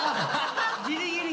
ギリギリ。